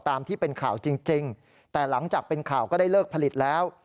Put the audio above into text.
ตามที่เป็นข่าวจริงแต่หลังจากเป็นข่าวก็ได้เลิกผลิตแล้ว